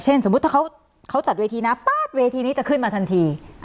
สมมุติถ้าเขาจัดเวทีนะป๊าดเวทีนี้จะขึ้นมาทันที